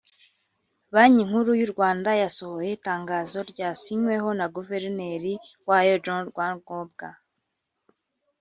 Banki Nkuru y’u Rwanda yasohoye itangazo ryasinyweho na Guverineri wayo John Rwangombwa